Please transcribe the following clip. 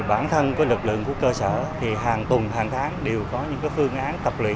bản thân của lực lượng cơ sở hàng tuần hàng tháng đều có những phương án tập luyện